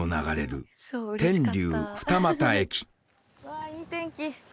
わあいい天気。